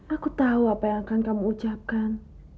aku tahu apa yang akan kamu ucapkan